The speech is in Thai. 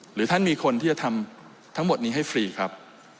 หรือท่านมีคนที่จะทำทั้งหมดนี้ให้ฟรีครับ